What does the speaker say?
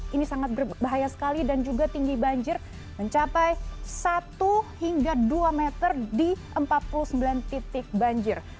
ini sangat berbahaya sekali dan juga tinggi banjir mencapai satu hingga dua meter di empat puluh sembilan titik banjir